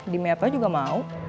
demi apa juga mau